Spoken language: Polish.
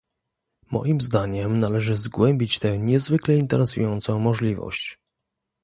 Moim zdaniem należy zgłębić tę niezwykle interesującą możliwość